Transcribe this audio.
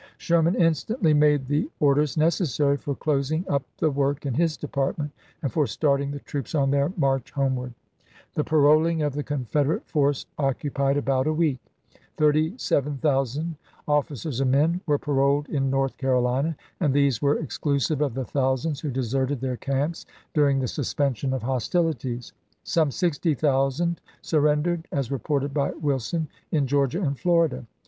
Sherman instantly made the orders necessary for closing up the work in his department and for starting the troops on their march homeward. The JOHNSTON'S SURRENDER 253 paroling of the Confederate force occupied about a chap. xii. week. Thirty seven thousand, officers and men, were paroled in North Carolina — and these were exclusive of the thousands who deserted their camps during the suspension of hostilities ; some sixty thousand surrendered as reported by Wilson in Georgia and Florida.